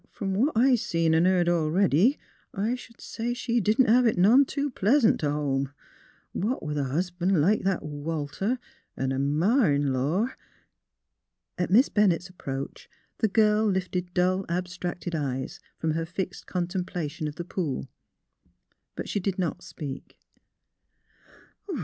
But f'om what I seen an' heard a 'ready, I sh'd say she didn't hev it none too pleasant t' home, what with a husban' like that Walter, an' a ma in law. ..." At Miss Bennett's approach the girl lifted dull, abstracted eyes from her fixed contemplation of the pool. But she did not speak.